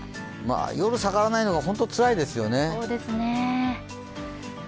夜下がらないのが本当につらいですよね。